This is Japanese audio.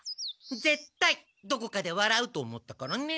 ぜったいどこかでわらうと思ったからね。